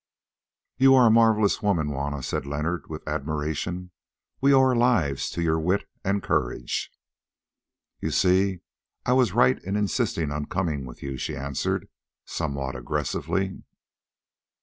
"You are a marvellous woman, Juanna," said Leonard, with admiration. "We owe our lives to your wit and courage." "You see I was right in insisting on coming with you," she answered somewhat aggressively.